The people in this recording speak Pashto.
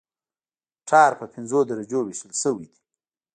ټار په پنځو درجو ویشل شوی دی